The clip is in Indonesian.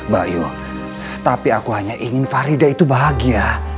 bayu tapi aku hanya ingin farida itu bahagia